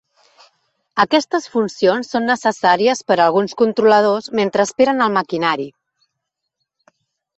Aquestes funcions són necessàries per a alguns controladors mentre esperen el maquinari.